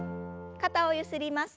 肩をゆすります。